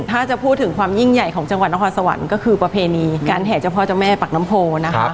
ถ้าจะพูดถึงความยิ่งใหญ่ของจังหวัดนครสวรรค์ก็คือประเพณีการแห่เจ้าพ่อเจ้าแม่ปากน้ำโพนะคะ